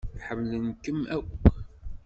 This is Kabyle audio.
Ḥemmlen-kem akk